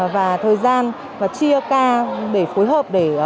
và thời gian và chia ca để phối hợp